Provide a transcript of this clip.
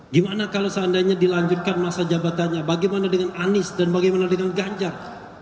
gimana kalau seandainya dilanjutkan masa jabatannya bagaimana dengan anies dan bagaimana dengan ganjar